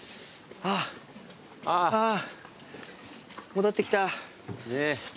戻ってきた。